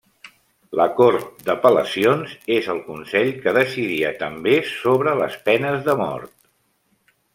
La cort d'apel·lacions és el consell que decidia també sobre les penes de mort.